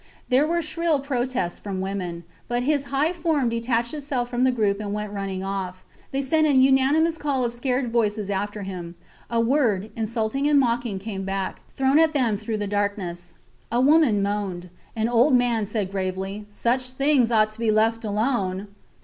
There were shrill protests from women but his high form detached itself from the group and went off running. They sent an unanimous call of scared voices after him. A word, insulting and mocking, came back, thrown at them through the darkness. A woman moaned. An old man said gravely: Such things ought to be left alone.